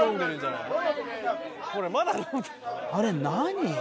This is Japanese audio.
あれ何？